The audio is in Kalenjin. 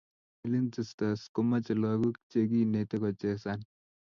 Ulinzi stars komache lakok che kinete kochesan